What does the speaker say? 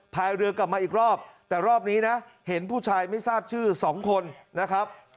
พายเรือกลับมาอีกรอบแต่รอบนี้นะเห็นผู้ชายไม่ทราบชื่อสองคนนะครับ